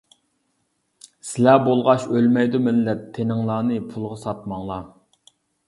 سىلەر بولغاچ ئۆلمەيدۇ مىللەت، تىنىڭلارنى پۇلغا ساتماڭلار.